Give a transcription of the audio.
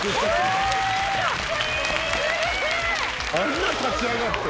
すごい！あんな立ち上がって？